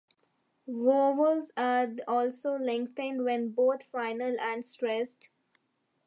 Vowels are also lengthened when both final and stressed.